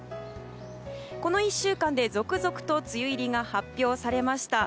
この１週間で続々と梅雨入りが発表されました。